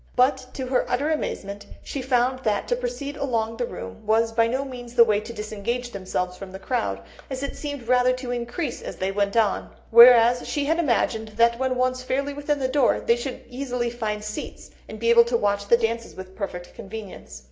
But to her utter amazement she found that to proceed along the room was by no means the way to disengage themselves from the crowd; it seemed rather to increase as they went on; whereas she had imagined that when once fairly within the door, they should easily find seats, and be able to watch the dances with perfect convenience.